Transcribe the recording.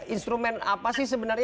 instrumen apa sih sebenarnya